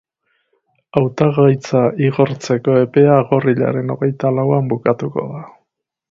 Hautagaitza igortzeko epea agorrilaren hogeitalauan bukatuko da.